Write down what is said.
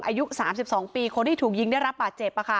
อายุสามสิบสองปีคนที่ถูกยิงได้รับป่าเจ็บอ่ะค่ะ